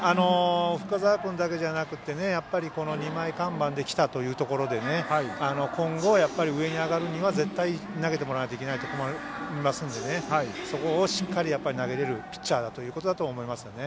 深沢君だけじゃなくて２枚看板できたというところで今後、上に上がるには、絶対投げてもらわないと困りますのでそこをしっかり投げれるピッチャーだということですね。